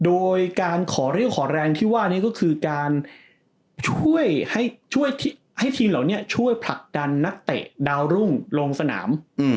โดยการขอเรียกขอแรงที่ว่านี้ก็คือการช่วยให้ทีมเหล่านี้ช่วยผลักดันนักเตะดาวรุ่งลงสนาม